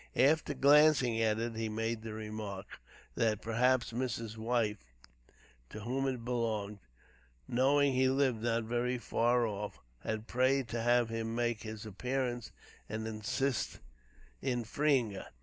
After glancing at it he made the remark, "that perhaps Mrs. White, to whom it belonged, knowing he lived not very far off, had prayed to have him make his appearance and assist in freeing her.